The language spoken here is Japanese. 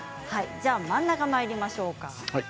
真ん中、まいりましょう。